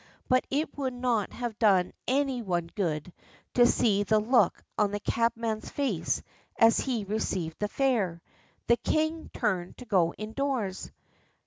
But it would not have done any one good to see the look on the cabman's face as he received his fare. The king turned to go indoors.